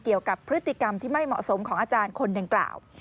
เกี่ยวกับพฤติกรรมที่ไม่เหมาะสมของอาจารย์คนดังกล่าว